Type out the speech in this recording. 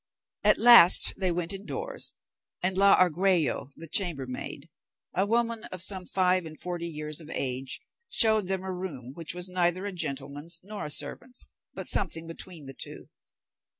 At last they went in doors, and la Argüello, the chamber maid, a woman of some five and forty years of age, showed them a room which was neither a gentleman's nor a servant's, but something between the two.